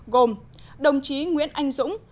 gồm đồng chí nguyễn anh dũng